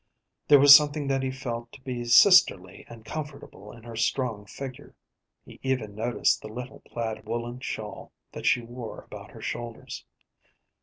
There was something that he felt to be sisterly and comfortable in her strong figure; he even noticed the little plaid woolen shawl that she wore about her shoulders.